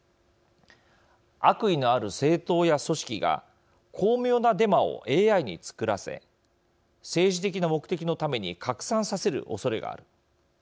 悪意のある政党や組織が巧妙なデマをＡＩに作らせ政治的な目的のために拡散させるおそれがある。